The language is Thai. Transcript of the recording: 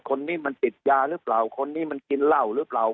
คนนี้มันติดยาหรือเปล่าคนนี้มันกินเหล้าหรือเปล่า